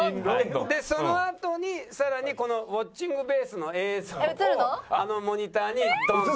でそのあとにさらにこのウォッチングベースの映像をあのモニターにドンと。